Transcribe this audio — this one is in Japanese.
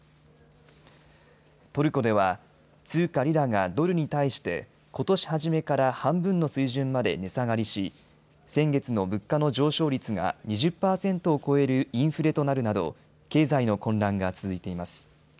トルコでは通貨リラがドルに対してことし初めから半分の水準まで値下がりし先月の物価の上昇率が２０％を超えるインフレとなるなど経済の混乱が続いています。